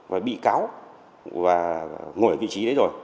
và bị cáo ngồi ở vị trí đấy rồi